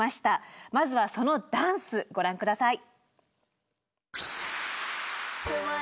まずはそのダンスご覧ください。